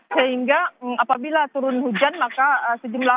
sehingga apabila turun hujan maka sejumlah pencarian yang tidak bisa diperlukan